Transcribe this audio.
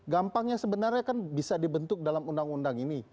gampangnya sebenarnya kan bisa dibentuk dalam undang undang ini